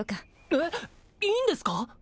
えっいいんですか！？